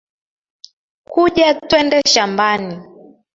Kuja tuende shambani